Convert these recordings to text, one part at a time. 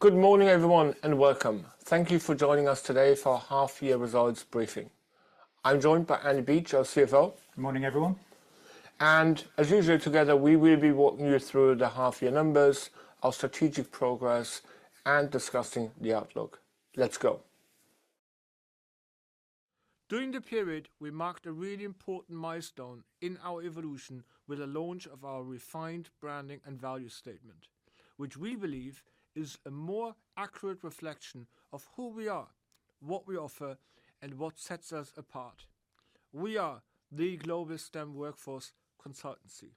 Good morning everyone and welcome. Thank you for joining us today. For our half year results briefing. I'm joined by Andy Beach, our CFO. Good morning everyone. And as usual together we will be walking you through the half year numbers, our strategic progress, and discussing the outlook. Let's go. During the period we marked a really important milestone in our evolution with the launch of our refined branding and value statement, which we believe is a more accurate reflection of who we are, what we offer, and what sets us apart. We are the Global STEM Workforce Consultancy.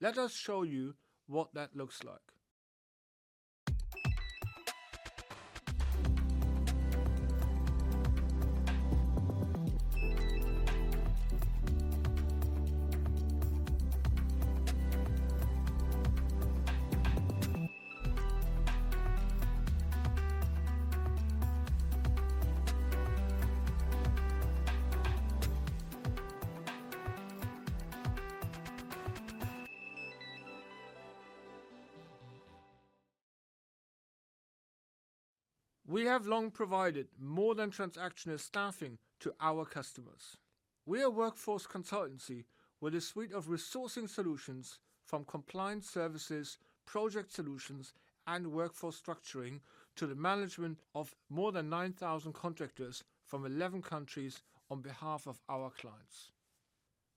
Let us show you what that looks like. We have long provided more than transactional staffing to our customers. We are workforce consultancy with a suite of resourcing solutions from compliance services, project solutions, and workforce structuring to the management of more than 9,000 contractors from 11 countries on behalf of our clients.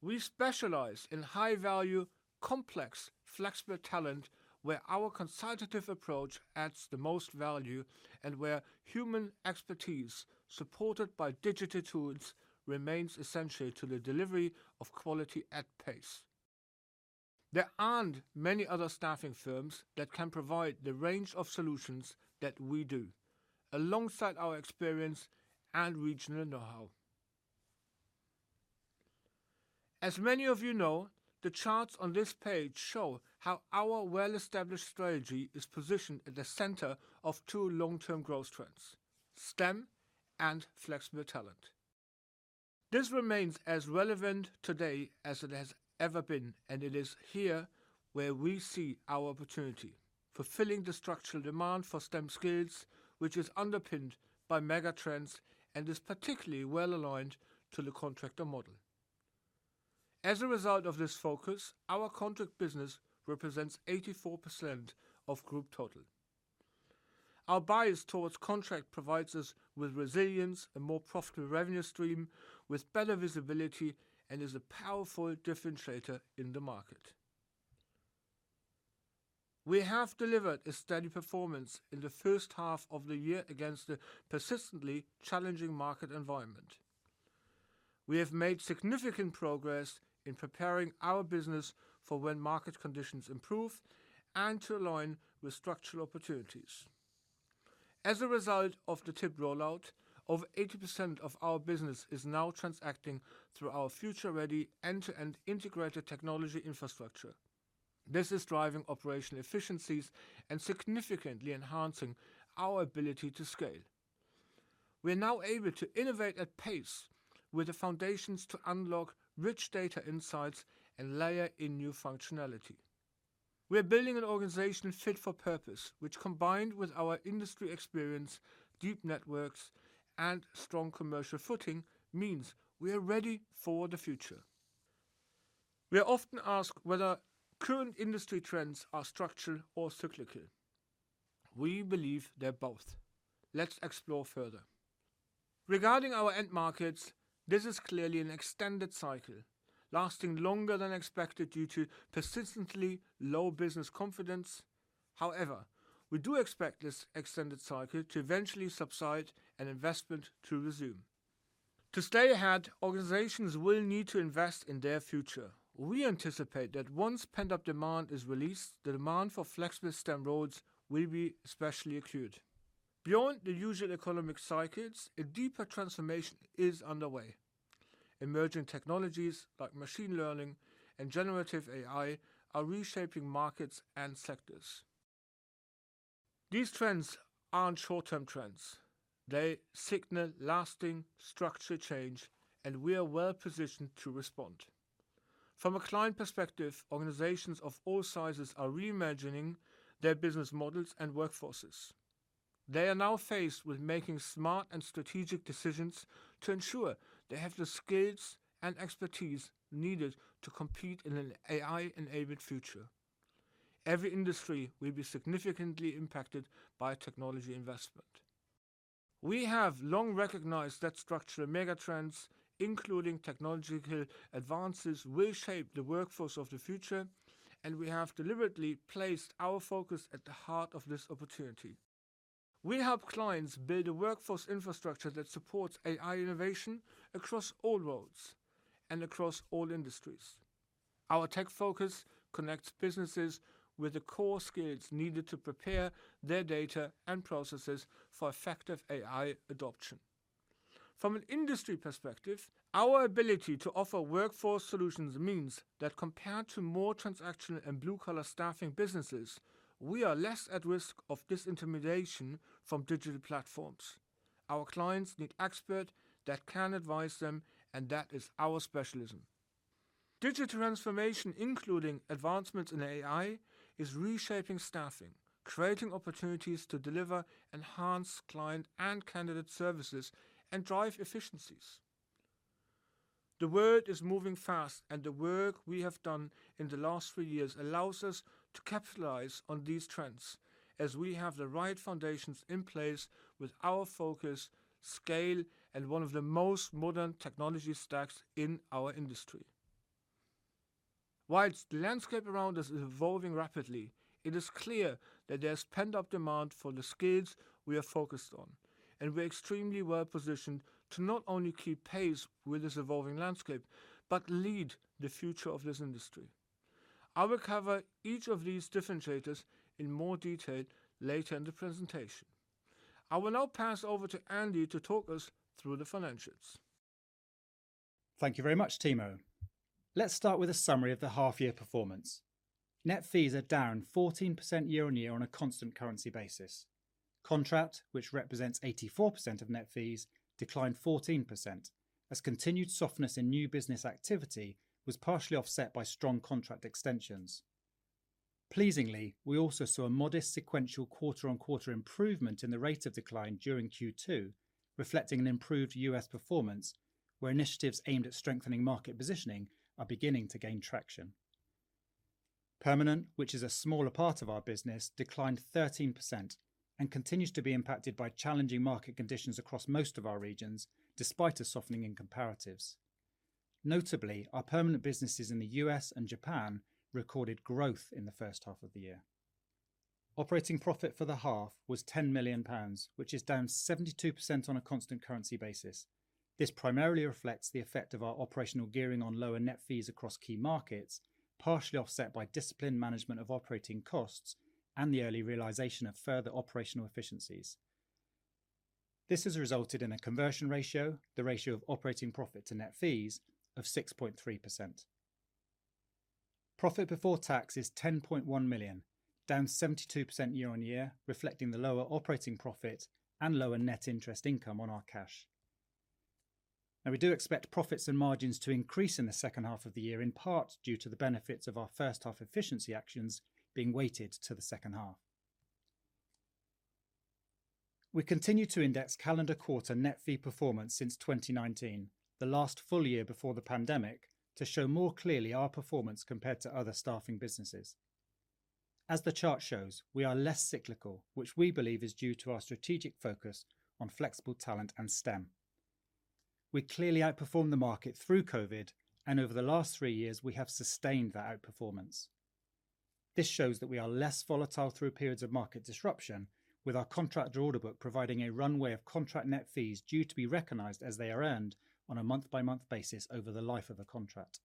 We specialize in high value, complex flexible talent where our consultative approach adds the most value and where human expertise supported by digital tools remains essential to the delivery of quality at pace. There aren't many other staffing firms that can provide the range of solutions that we do alongside our experience and regional know-how. As many of you know, the charts on this page show how our well-established strategy is positioned at the center of two long-term growth STEM and Flexible Talent. This remains as relevant today as it has ever been and it is here where we see our opportunity fulfilling the structural demand for STEM skills, which is underpinned by megatrends and is particularly well aligned to the contractor model. As a result of this focus, our contract business represents 84% of group total. Our bias towards contract provides us with resilience, a more profitable revenue stream with better visibility, and is a powerful differentiator in the market. We have delivered a steady performance in the first half of the year against a persistently challenging market environment. We have made significant progress in preparing our business for when market conditions improve and to align with structural opportunities. As a result of the TIP rollout, over 80% of our business is now transacting through our future-ready end-to-end integrated technology infrastructure. This is driving operational efficiencies and significantly enhancing our ability to scale. We are now able to innovate at pace with the foundations to unlock rich data, insights, and layer in new functionality. We are building an organization fit for purpose, which combined with our industry experience, deep networks, and strong commercial footing means we are ready for the future. We are often asked whether current industry trends are structural or cyclical. We believe they're both. Let's explore further regarding our end markets. This is clearly an extended cycle lasting longer than expected due to persistently low business confidence. However, we do expect this extended cycle to eventually subside and investment to resume. To stay ahead, organizations will need to invest in their future. We anticipate that once pent-up demand is released, the demand for flexible STEM roles will be especially acute. Beyond the usual economic cycles, a deeper transformation is underway. Emerging technologies like machine learning and generative AI are reshaping markets and sectors. These trends aren't short-term trends, they signal lasting structural change and we are well positioned to respond. From a client perspective, organizations of all sizes are reimagining their business models and workforces. They are now faced with making smart and strategic decisions to ensure they have the skills and expertise needed to compete in an AI-enabled future. Every industry will be significantly impacted by technology investment. We have long recognized that structural megatrends, including technological advances, will shape the workforce of the future and we have deliberately placed our focus at the heart of this opportunity. We help clients build a workforce infrastructure that supports AI innovation across all roles and across all industries. Our tech focus connects businesses with the core skills needed to prepare their data and processes for effective AI adoption. From an industry perspective, our ability to offer workforce solutions means that compared to more transactional and blue-collar staffing businesses, we are less at risk of disintermediation from digital platforms. Our clients need experts that can advise them and that is our specialism. Digital transformation, including advancements in AI, is reshaping staffing, creating opportunities to deliver enhanced client and candidate services and drive efficiencies. The world is moving fast, and the work we have done in the last three years allows us to capitalize on these trends as we have the right foundations in place with our focus and scale and one of the most modern technology stacks in our industry. Whilst the landscape around us is evolving rapidly, it is clear that there's pent up demand for the skills we are focused on, and we're extremely well positioned to not only keep pace with this evolving landscape, but lead the future of this industry. I will cover each of these differentiators in more detail later in the presentation. I will now pass over to Andy to talk us through the financials. Thank you very much Timo. Let's start with a summary of the half year performance. Net fees are down 14% year on year on a constant currency basis. Contract, which represents 84% of net fees, declined 14% as continued softness in new business activity was partially offset by strong contract extensions. Pleasingly, we also saw a modest sequential quarter on quarter improvement in the rate of decline during Q2, reflecting an improved U.S. performance where initiatives aimed at strengthening market positioning are beginning to gain traction. Permanent, which is a smaller part of our business, declined 13% and continues to be impacted by challenging market conditions across most of our regions despite a softening in comparatives. Notably, our permanent businesses in the U.S. and Japan recorded growth in the first half of the year. Operating profit for the half was £10 million, which is down 72% on a constant currency basis. This primarily reflects the effect of our operational gearing on lower net fees across key markets, partially offset by disciplined management of operating costs and the early realization of further operational efficiencies. This has resulted in a conversion ratio, the ratio of operating profit to net fees, of 6.3%. Profit before tax is £10.1 million, down 72% year on year, reflecting the lower operating profit and lower net interest income on our cash. Now we do expect profits and margins to increase in the second half of the year, in part due to the benefits of our first half efficiency actions being weighted to the second half. We continue to index calendar quarter net fee performance since 2019, the last full year before the pandemic, to show more clearly our performance compared to other staffing businesses. As the chart shows, we are less cyclical, which we believe is due to our strategic focus on flexible talent and STEM. We clearly outperformed the market through Covid and over the last three years we have sustained that outperformance. This shows that we are less volatile through periods of market disruption, with our contractor order book providing a runway of contract net fees due to be recognized as they are earned on a month by month basis over the life of a contract.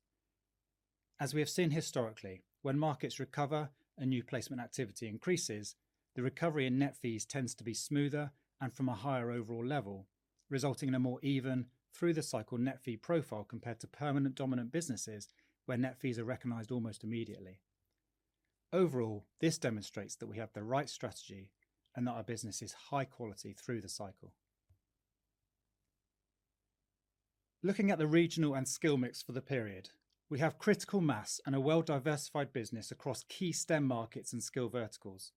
As we have seen historically, when markets recover and new placement activity increases, the recovery in net fees tends to be smoother and from a higher overall level, resulting in a more even through the cycle net fee profile compared to permanent-focused staffing businesses where net fees are recognized almost immediately. Overall, this demonstrates that we have the right strategy and that our business is high quality through the cycle. Looking at the regional and skill mix for the period, we have critical mass and a well-diversified business across key STEM markets and skill verticals.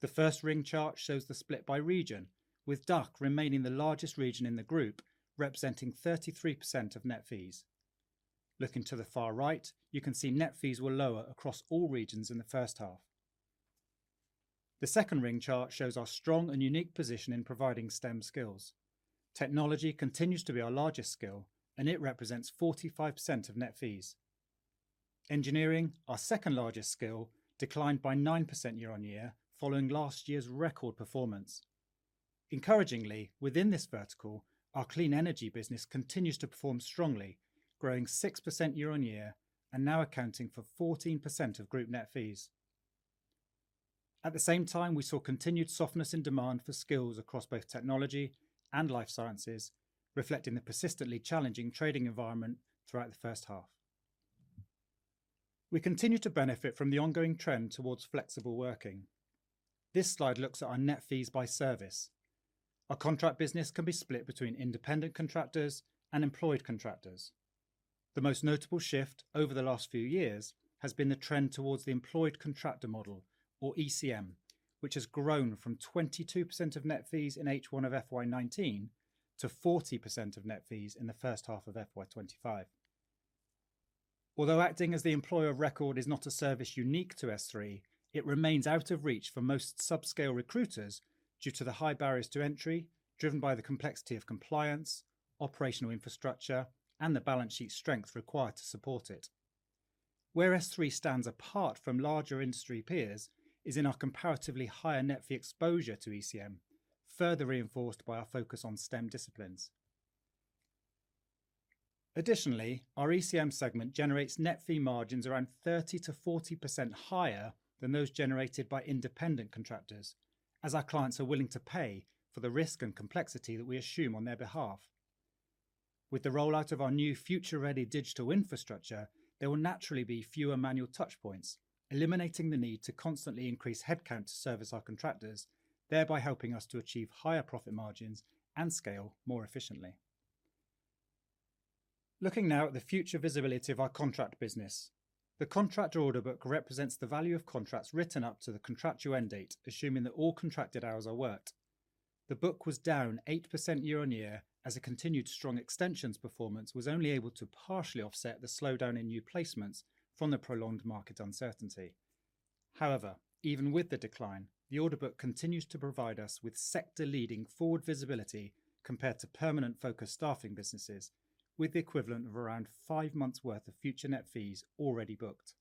The first ring chart shows the split by region, with DUC remaining the largest region in the group, representing 33% of net fees. Looking to the far right, you can see net fees were lower across all regions in the first half. The second ring chart shows our strong and unique position in providing STEM skills. Technology continues to be our largest skill, and it represents 45% of net fees. Engineering, our second largest skill, declined by 9% year on year following last year's record performance. Encouragingly, within this vertical, our clean energy business continues to perform strongly, growing 6% year on year and now accounting for 14% of group net fees. At the same time, we saw continued softness in demand for skills across both technology and life sciences, reflecting the persistently challenging trading environment. Throughout the first half, we continue to benefit from the ongoing trend towards flexible working. This slide looks at our net fees by service. A contract business can be split between independent contractors and employed contractors. The most notable shift over the last few years has been the trend towards the employed contractor model, or ECM, which has grown from 22% of net fees in H1 of FY2019 to 40% of net fees in the first half of FY2025. Although acting as the employer of record is not a service unique to SThree PLC, it remains out of reach for most subscale recruiters due to the high barriers to entry driven by the complexity of compliance, operational infrastructure, and the balance sheet strength required to support it. Where SThree PLC stands apart from larger industry peers is in our comparatively higher net fee exposure to ECM, further reinforced by our focus on STEM disciplines. Additionally, our ECM segment generates net fee margins around 30%-40% higher than those generated by independent contractors, as our clients are willing to pay for the risk and complexity that we assume on their behalf. With the rollout of our new future-ready digital infrastructure, there will naturally be fewer manual touch points, eliminating the need to constantly increase headcount to service our contractors, thereby helping us to achieve higher profit margins and scale more efficiently. Looking now at the future visibility of our contract business, the contractor order book represents the value of contracts written up to the contractual end date, assuming that all contracted hours are worked. The book was down 8% year on year, as a continued strong extensions performance was only able to partially offset the slowdown in new placements from the prolonged market uncertainty. However, even with the decline, the order book continues to provide us with sector-leading forward visibility compared to permanent-focused staffing businesses, with the equivalent of around five months' worth of future net fees already booked.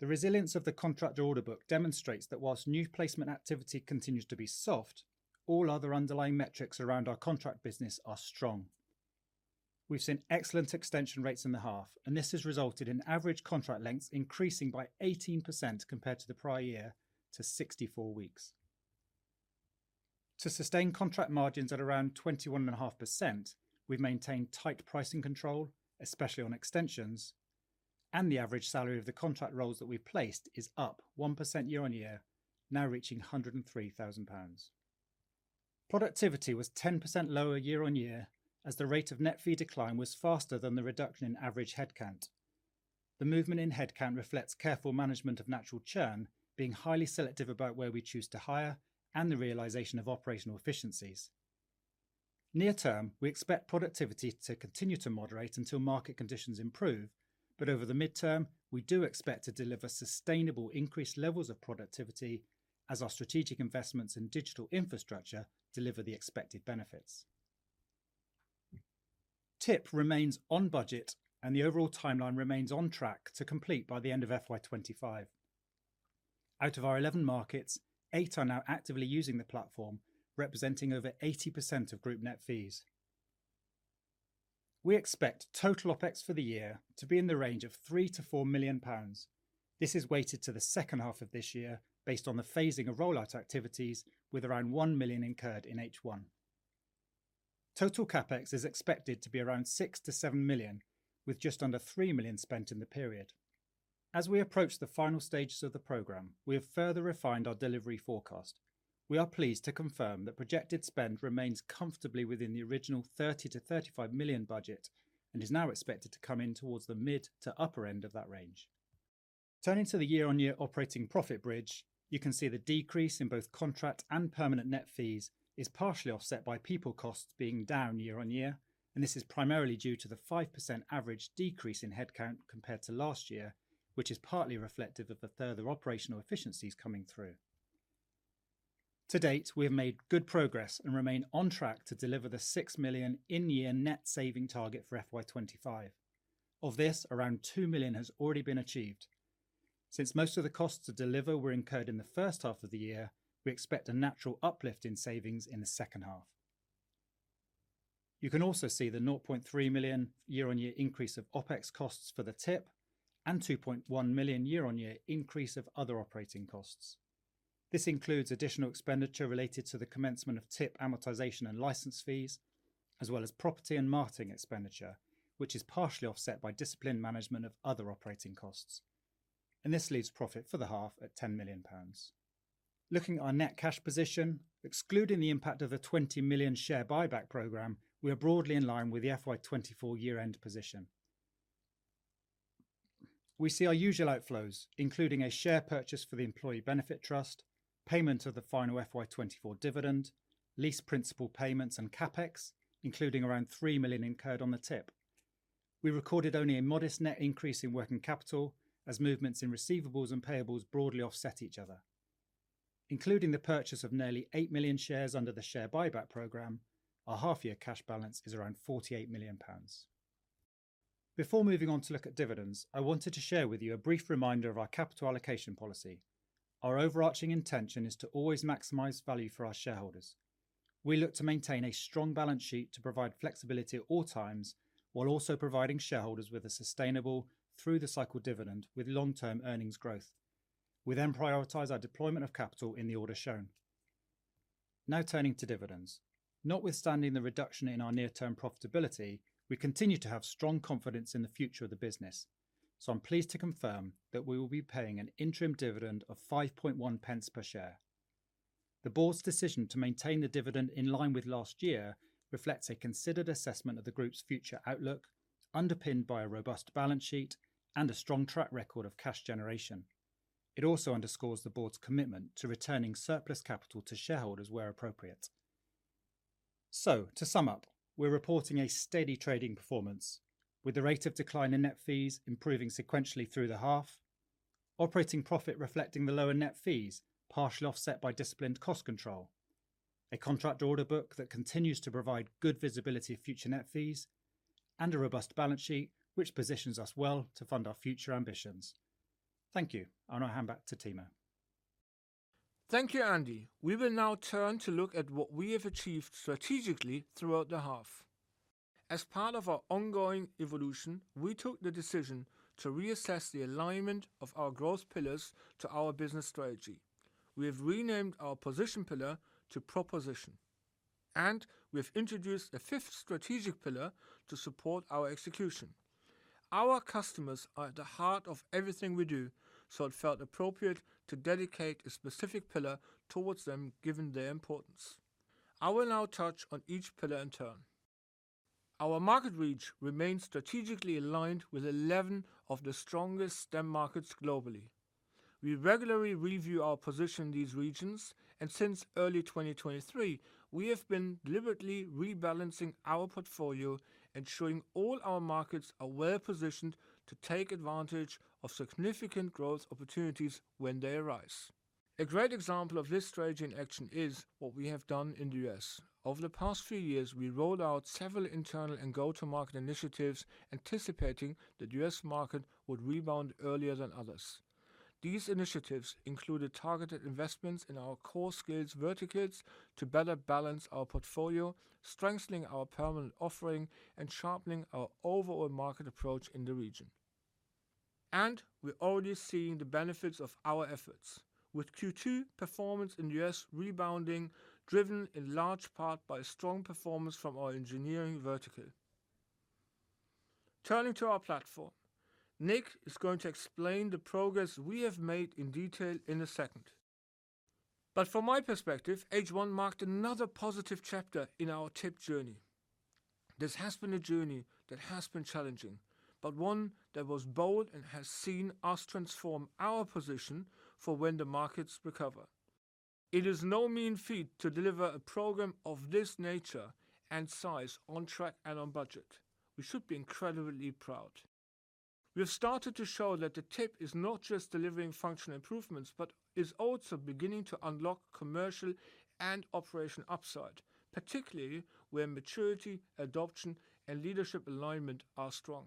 The resilience of the contractor order book demonstrates that whilst new placement activity continues to be soft, all other underlying metrics around our contract business are strong. We've seen excellent extension rates in the half, and this has resulted in average contract lengths increasing by 18% compared to the prior year to 64 weeks, to sustain contract margins at around 21.5%. We've maintained tight pricing control, especially on extensions, and the average salary of the contract roles that we placed is up 1% year on year, now reaching £103,000. Productivity was 10% lower year on year, as the rate of net fee decline was faster than the reduction in average headcount. The movement in headcount reflects careful management of natural churn, being highly selective about where we choose to hire, and the realization of operational efficiencies. Near term, we expect productivity to continue to moderate until market conditions improve, but over the mid term, we do expect to deliver sustainable increased levels of productivity as our strategic investments in digital infrastructure deliver the expected benefits. The Technology Improvement Program remains on budget, and the overall timeline remains on track to complete by the end of FY2025. Out of our 11 markets, 8 are now actively using the platform, representing over 80% of Group net fees. We expect total OpEx for the year to be in the range of £3 million-£4 million. This is weighted to the second half of this year based on the phasing of rollout activities, with around £1 million incurred in H1. Total CapEx is expected to be around £6 million-£7 million, with just under £3 million spent in the period. As we approach the final stages of the program, we have further refined our delivery forecast. We are pleased to confirm that projected spend remains comfortably within the original £30 million-£35 million budget and is now expected to come in towards the mid to upper end of that range. Turning to the year-on-year operating profit bridge, you can see the decrease in both contract and permanent net fees is partially offset by people costs being down year on year. This is primarily due to the 5% average decrease in headcount compared to last year, which is partly reflective of the further operational efficiencies coming through. To date, we have made good progress and remain on track to deliver the £6 million in-year net saving target for FY25. Of this, around £2 million has already been achieved. Since most of the costs to deliver were incurred in the first half of the year, we expect a natural uplift in savings in the second half. You can also see the £0.3 million year-on-year increase of OpEx costs for the Technology Improvement Program and £2.1 million year-on-year increase of other operating costs. This includes additional expenditure related to the commencement of Technology Improvement Program amortization and license fees, as well as property and marketing expenditure, which is partially offset by disciplined management of other operating costs. This leaves profit for the half at £10 million. Looking at our net cash position, excluding the impact of the £20 million share buyback program, we are broadly in line with the FY24 year-end position. We see our usual outflows, including a share purchase for the Employee Benefit Trust, payment of the final FY24 dividend, lease principal payments, and CapEx, including around £3 million incurred on the Technology Improvement Program. We recorded only a modest net increase in working capital as movements in receivables and payables broadly offset each other, including the purchase of nearly 8 million shares under the share buyback program. Our half-year cash balance is around £48 million. Before moving on to look at dividends, I wanted to share with you a brief reminder of our capital allocation policy. Our overarching intention is to always maximize value for our shareholders. We look to maintain a strong balance sheet to provide flexibility at all times, while also providing shareholders with a sustainable through the cycle dividend with long term earnings growth. We then prioritize our deployment of capital in the order shown. Now turning to dividends. Notwithstanding the reduction in our near term profitability, we continue to have strong confidence in the future of the business. I'm pleased to confirm that we will be paying an interim dividend of £0.051 per share. The Board's decision to maintain the dividend in line with last year reflects a considered assessment of the group's future outlook, underpinned by a robust balance sheet and a strong track record of cash generation. It also underscores the Board's commitment to returning surplus capital to shareholders where appropriate. To sum up, we're reporting a steady trading performance with the rate of decline in net fees improving sequentially through the half, operating profit reflecting the lower net fees partially offset by disciplined cost control, a contract order book that continues to provide good visibility of future net fees, and a robust balance sheet which positions us well to fund our future ambitions. Thank you. I'll now hand back to Timo. Thank you, Andy. We will now turn to look at what we have achieved strategically throughout the half. As part of our ongoing evolution, we took the decision to reassess the alignment of our growth pillars to our business strategy. We have renamed our position pillar to proposition, and we've introduced the fifth strategic pillar to support our execution. Our customers are at the heart of everything we do, so it felt appropriate to dedicate a specific pillar towards them, given their importance. I will now touch on each pillar in turn. Our market reach remains strategically aligned with 11 of the strongest STEM markets globally. We regularly review our position in these regions, and since early 2023 we have been deliberately rebalancing our portfolio, ensuring all our markets are well positioned to take advantage of significant growth opportunities when they arise. A great example of this strategy in action is what we have done in the U.S. over the past few years. We rolled out several internal and go to market initiatives, anticipating that U.S. market would rebound earlier than others. These initiatives included targeted investments in our core skills verticals to better balance our portfolio, strengthening our permanent offering, and sharpening our overall market approach in the region. We're already seeing the benefits of our efforts with Q2 performance in U.S. rebounding, driven in large part by strong performance from our engineering vertical. Turning to our platform, Nick is going to explain the progress we have made in detail in a second. From my perspective, H1 marked another positive chapter in our tech journey. This has been a journey that has been challenging, but one that was bold and has seen us transform our position for when the markets recover. It is no mean feat to deliver a program of this nature and size on track and on budget. We should be incredibly proud. We have started to show that the Technology Improvement Program is not just delivering functional improvements, but is also beginning to unlock commercial and operational upside, particularly where maturity, adoption, and leadership alignment are strong.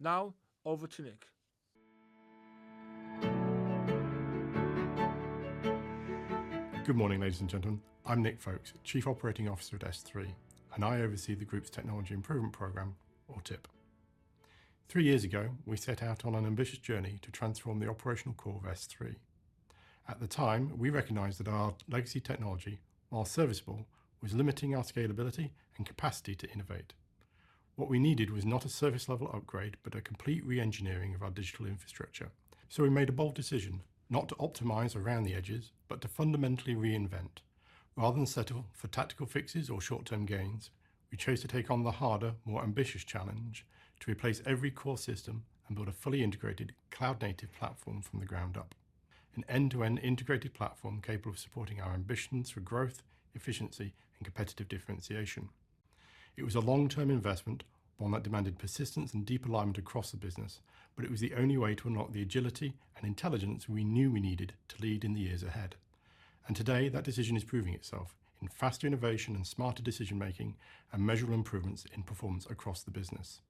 Now over to Nick. Good morning ladies and gentlemen. I'm Nick Folkes, Chief Operating Officer at SThree and I oversee the group's Technology Improvement Program or TIP. Three years ago we set out on an ambitious journey to transform the operational core of SThree. At the time we recognized that our legacy technology, while serviceable, was limiting our scalability and capacity to innovate. What we needed was not a service level upgrade, but a complete re-engineering of our digital infrastructure. We made a bold decision not to optimize around the edges, but to fundamentally reinvent. Rather than settle for tactical fixes or short-term gains, we chose to take on the harder, more ambitious challenge to replace every core system and build a fully integrated cloud-native platform from the ground up. An end-to-end integrated platform capable of supporting our ambitions for growth, efficiency, and competitive differentiation. It was a long-term investment, one that demanded persistence and deep alignment across the business. It was the only way to unlock the agility and intelligence we knew we needed to lead in the years ahead. Today that decision is proving itself in faster innovation, smarter decision making, and measurable improvements in performance across the business.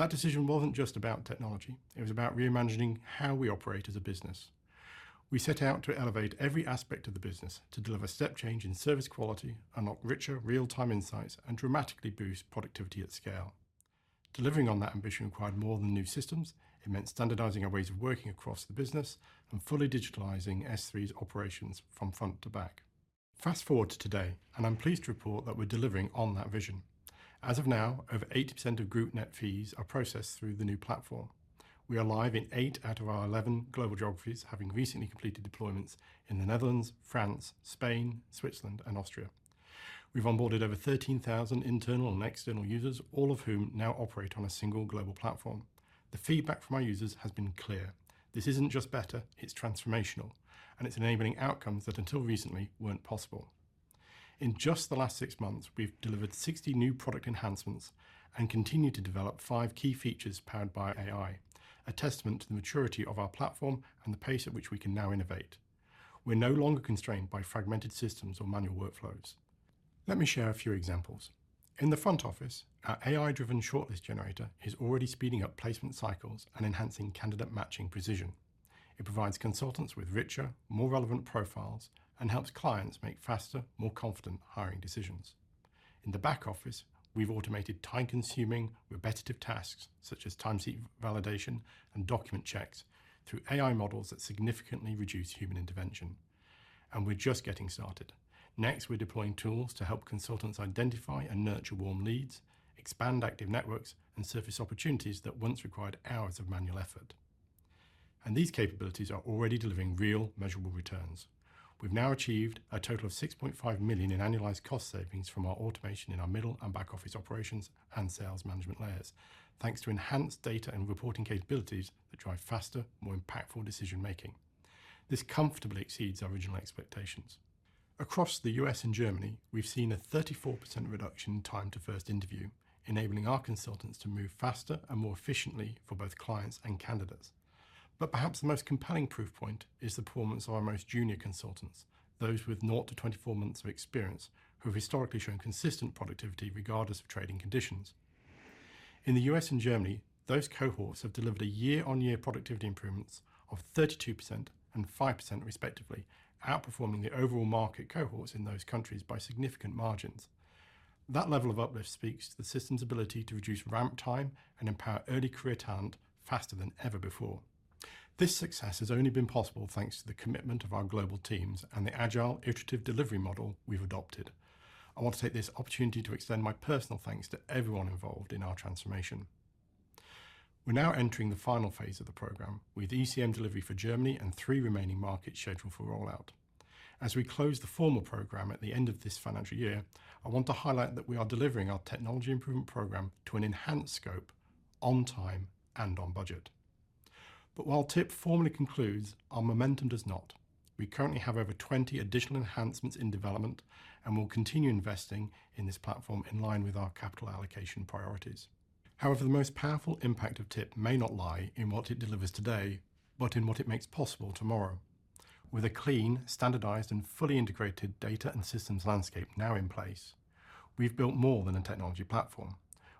That decision wasn't just about technology, it was about reimagining how we operate as a business. We set out to elevate every aspect of the business to deliver step change in service quality, unlock richer real-time insights, and dramatically boost productivity at scale. Delivering on that ambition required more than new systems, it meant standardizing our ways of working across the business and fully digitalizing SThree's operations from front to back. Fast forward to today and I'm pleased to report that we're delivering on that vision. As of now, over 80% of group net fees are processed through the new platform. We are live in eight out of our 11 global geographies, having recently completed deployments in the Netherlands, France, Spain, Switzerland, and Austria. We've onboarded over 13,000 internal and external users, all of whom now operate on a single global platform. The feedback from our users has been clear. This isn't just better, it's transformational and it's enabling outcomes that until recently weren't possible. In just the last six months, we've delivered 60 new product enhancements and continue to develop five key features powered by AI, a testament to the maturity of our platform and the pace at which we can now innovate. We're no longer constrained by fragmented systems or manual workflows. Let me share a few examples. In the front office, our AI-driven shortlist generator is already speeding up placement cycles and enhancing candidate matching precision. It provides consultants with richer, more relevant profiles and helps clients make faster, more confident hiring decisions. In the back office, we've automated time-consuming, repetitive tasks such as timesheet validation and document checks through AI models that significantly reduce human intervention. We're just getting started. Next, we're deploying tools to help consultants identify and nurture warm leads, expand active networks, and surface opportunities that once required hours of manual effort, and these capabilities are already delivering real, measurable returns. We've now achieved a total of $6.5 million in annualized cost savings from our automation in our middle and back office operations and sales management layers, thanks to enhanced data and reporting capabilities that drive faster, more impactful decision making. This comfortably exceeds our original expectations. Across the U.S. and Germany, we've seen a 34% reduction in time to first interview, enabling our consultants to move faster and more efficiently for both clients and candidates. Perhaps the most compelling proof point is the performance of our most junior consultants, those with zero to 24 months of experience who have historically shown consistent productivity regardless of trading conditions. In the U.S. and Germany, those cohorts have delivered a year-on-year productivity improvement of 32% and 5% respectively, outperforming the overall market cohorts in those countries by significant margins. That level of uplift speaks to the system's ability to reduce ramp time and empower early career talent faster than ever before. This success has only been possible thanks to the commitment of our global teams and the agile, iterative delivery model we've adopted. I want to take this opportunity to extend my personal thanks to everyone involved in our transformation. We're now entering the final phase of the program with ECM delivery for Germany and three remaining markets scheduled for rollout. As we close the formal program at the end of this financial year, I want to highlight that we are delivering our Technology Improvement Program, an enhanced scope, on time and on budget. While TIP formally concludes, our momentum does not. We currently have over 20 additional enhancements in development and will continue investing in this platform in line with our capital allocation priorities. However, the most powerful impact of TIP may not lie in what it delivers today, but in what it makes possible tomorrow. With a clean, standardized, and fully integrated data and systems landscape now in place, we've built more than a technology platform.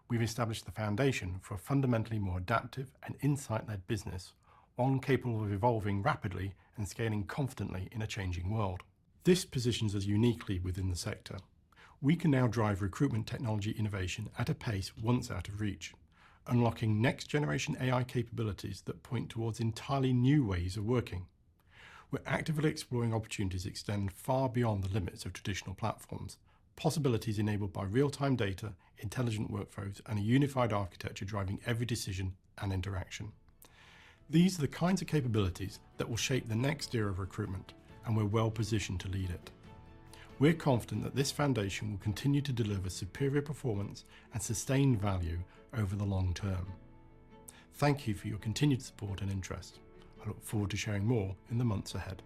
We've established the foundation for a fundamentally more adaptive and insight-led business, one capable of evolving rapidly and scaling confidently in a changing world. This positions us uniquely within the sector. We can now drive recruitment technology innovation at a pace once out of reach, unlocking next generation AI capabilities that point towards entirely new ways of working. We're actively exploring opportunities that extend far beyond the limits of traditional platforms, possibilities enabled by real-time data, intelligent workflows, and a unified architecture driving every decision and interaction. These are the kinds of capabilities that will shape the next era of recruitment, and we're well positioned to lead it. We're confident that this foundation will continue to deliver superior performance and sustained value over the long term. Thank you for your continued support and interest. I look forward to sharing more in the months ahead.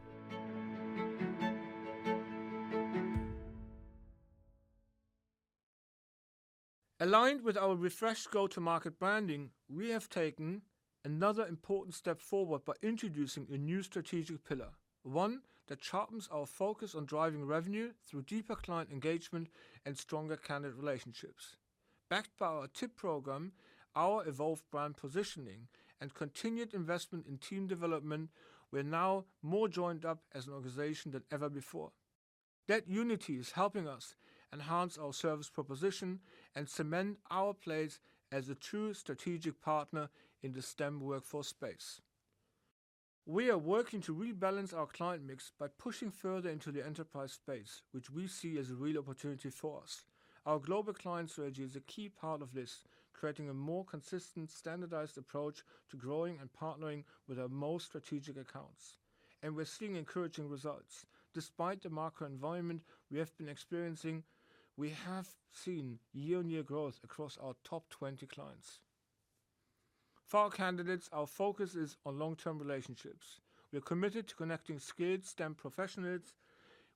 Aligned with our refreshed go-to-market branding, we have taken another important step forward by introducing a new strategic pillar, one that sharpens our focus on driving revenue through deeper client engagement and stronger candidate relationships. Backed by our Technology Improvement Program, our evolved brand positioning, and continued investment in team development, we are now more joined up as an organization than ever before. That unity is helping us enhance our service proposition and cement our place as a true strategic partner in the STEM workforce space. We are working to rebalance our client mix by pushing further into the enterprise space, which we see as a real opportunity for us. Our global client strategy is a key part of this, creating a more consistent, standardized approach to growing and partnering with our most strategic accounts, and we're seeing encouraging results. Despite the macro environment we have been experiencing, we have seen year-on-year growth across our top 20 clients. For our candidates, our focus is on long-term relationships. We are committed to connecting skilled STEM professionals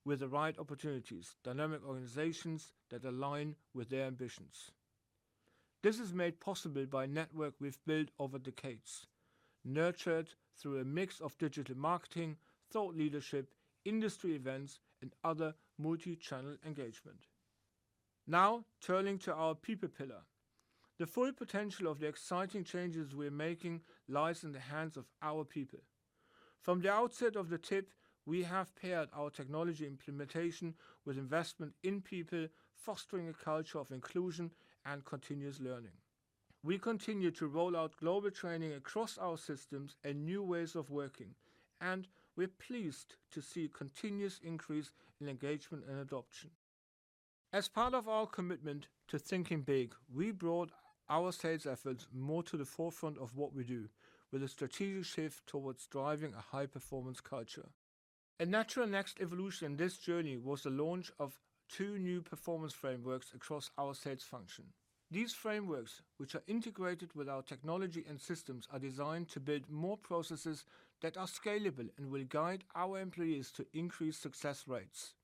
with the right opportunities in dynamic organizations that align with their ambitions. This is made possible by the network we've built over decades, nurtured through a mix of digital marketing, thought leadership, industry events, and other multi-channel engagement. Now turning to our people pillar, the full potential of the exciting changes we are making lies in the hands of our people. From the outset of the Technology Improvement Program, we have paired our technology implementation with investment in people, fostering a culture of inclusion and continuous learning. We continue to roll out global training across our systems and new ways of working, and we're pleased to see a continuous increase in engagement and adoption. As part of our commitment to thinking big, we brought our sales efforts more to the forefront of what we do with a strategic shift towards driving a high-performance culture. A natural next evolution in this journey was the launch of two new performance frameworks across our sales function. These frameworks, which are integrated with our technology and systems, are designed to build more processes that are scalable and will guide our employees to increase success rates.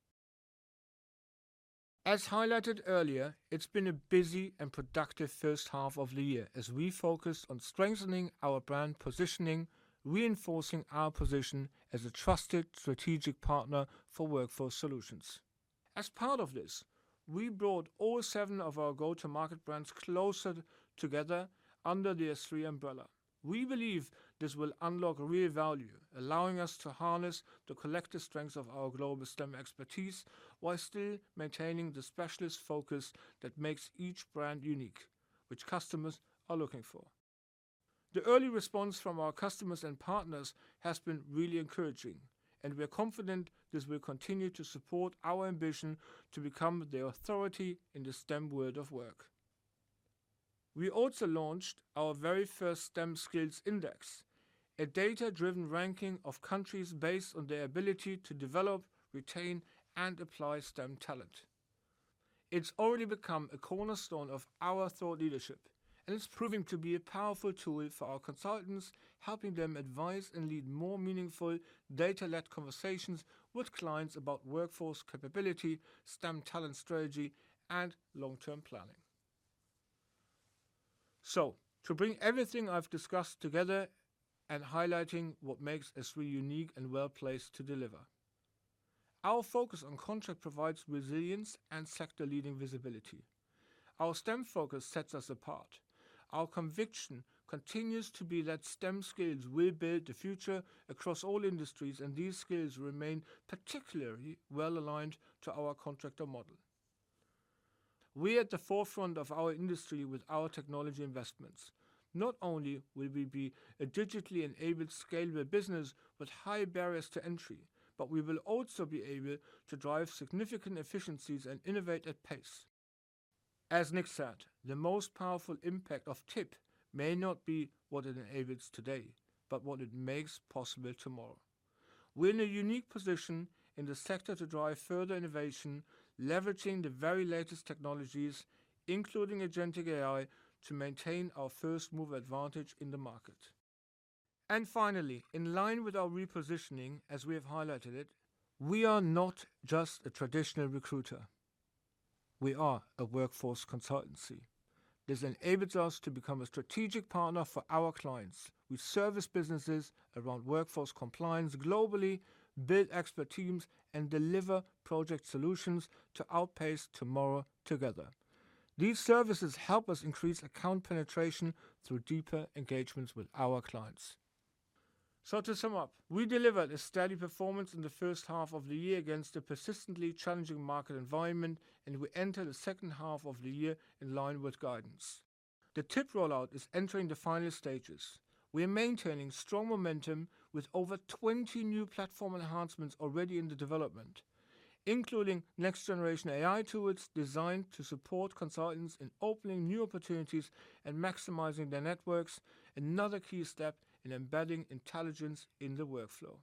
As highlighted earlier, it's been a busy and productive first half of the year as we focus on strengthening our brand positioning, reinforcing our position as a trusted strategic partner for workforce solutions. As part of this, we brought all seven of our go to market brands closer together under the SThree umbrella. We believe this will unlock real value, allowing us to harness the collective strengths of our global STEM expertise while still maintaining the specialist focus that makes each brand unique, which customers are looking for. The early response from our customers and partners has been really encouraging, and we are confident this will continue to support our ambition to become the authority in the STEM world of work. We also launched our very first STEM Skills Index, a data-driven ranking of countries based on their ability to develop, retain, and apply STEM talent. It's already become a cornerstone of our thought leadership, and it's proving to be a powerful tool for our consultants, helping them advise and lead more meaningful data-led conversations with clients about workforce capability, STEM talent strategy, and long-term planning. To bring everything I've discussed together and highlight what makes SThree unique and well placed to deliver, our focus on contract provides resilience and sector-leading visibility. Our STEM focus sets us apart. Our conviction continues to be that STEM skills will build the future across all industries, and these skills remain particularly well aligned to our contract model. We are at the forefront of our industry with our technology investments. Not only will we be a digitally enabled, scalable business with high barriers to entry, but we will also be able to drive significant efficiencies and innovate at pace. As Nick said, the most powerful impact of the Technology Improvement Program may not be what it enables today, but what it makes possible tomorrow. We're in a unique position in the sector to drive further innovation, leveraging the very latest technologies including AgentIQ AI to maintain our first mover advantage in the market. Finally, in line with our repositioning as we have highlighted it, we are not just a traditional recruiter, we are a workforce consultancy. This enables us to become a strategic partner for our clients. We service businesses around workforce compliance globally, build expert teams, and deliver project solutions to outpace tomorrow. Together, these services help us increase account penetration through deeper engagements with our clients. To sum up, we delivered a steady performance in the first half of the year against a persistently challenging market environment, and we enter the second half of the year in line with guidance. The Technology Improvement Program rollout is entering the final stages. We are maintaining strong momentum with over 20 new platform enhancements already in development, including next generation AI-driven tools designed to support consultants in opening new opportunities and maximizing their networks, another key step in embedding intelligence in the workflow.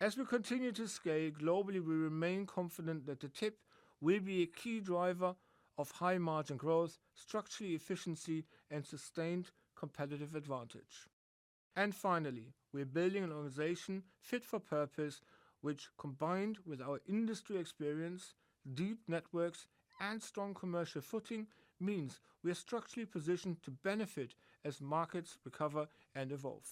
As we continue to scale globally, we remain confident that the Technology Improvement Program will be a key driver of high margin growth, structural efficiency, and sustained competitive advantage. Finally, we are building an organization fit for purpose, which, combined with our industry experience, deep networks, and strong commercial footing, means we are structurally positioned to benefit as markets recover and evolve.